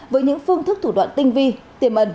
với những phương thức thủ đoạn tinh vi tiềm ẩn